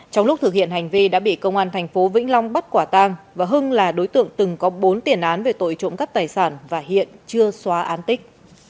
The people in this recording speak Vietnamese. trong lúc thực hiện hành vi đã bị công an thành phố vĩnh long bắt quả tang và hưng là đối tượng từng có bốn tiền án về tội trộm cắp tài sản và hiện chưa xóa án tích